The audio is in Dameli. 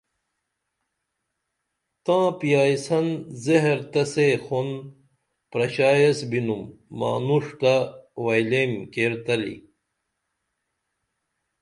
تاں پیائیسن زہر تہ سے خوند پرشا ایس بِنُم مانوݜ تہ وئیلیئم کیرتلی